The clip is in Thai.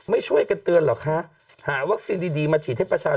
ไม่ช่วยกันเตือนเหรอคะหาวัคซีนดีมาฉีดให้ประชาชน